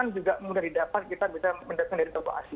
juga mudah didapat kita bisa mendatang dari toko asli